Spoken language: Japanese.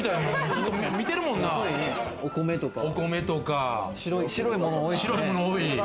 お米とか、白いもの多いですね。